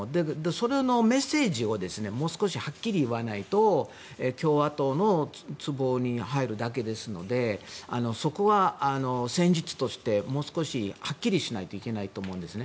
そのメッセージをもう少しはっきり言わないと共和党のつぼに入るだけですのでそこは、戦術としてもう少しはっきりしないといけないと思うんですよね。